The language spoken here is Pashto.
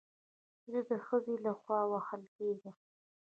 زه د ښځې له خوا وهل کېږم